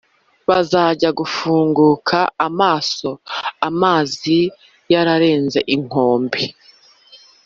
bazajya gufunguka amaso amazi yararenze inkombe.